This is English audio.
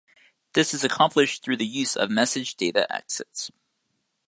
This is accomplished through the use of message data exits.